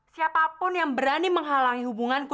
siapapun yang berani menghalangi hubunganku